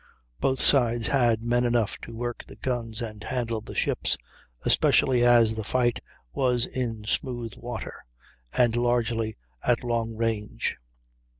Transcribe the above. Both sides had men enough to work the guns and handle the ships, especially as the fight was in smooth water, and largely at long range.